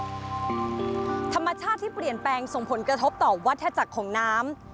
ธรรมชาติที่เปลี่ยนแปลงส่งผลกระทบต่อวัฒนาจักรของน้ำ